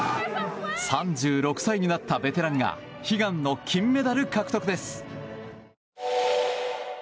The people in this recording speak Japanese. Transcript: ３６歳になったベテランが悲願の金メダル獲得です。